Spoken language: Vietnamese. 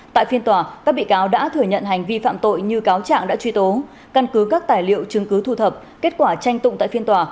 tại phiên tòa các bị cáo đã thừa nhận hành vi phạm tội như cáo trạng đã truy tố căn cứ các tài liệu chứng cứ thu thập kết quả tranh tụng tại phiên tòa